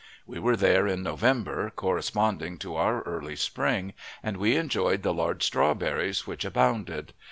We were there in November, corresponding to our early spring, and we enjoyed the large strawberries which abounded.